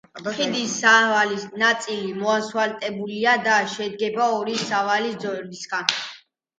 ხიდის სავალი ნაწილი მოასფალტებულია და შედგება ორი სავალი ზოლისაგან.